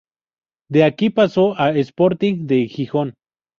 De aquí pasó al Sporting de Gijón.